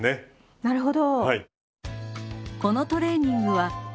なるほど。